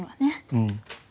うん。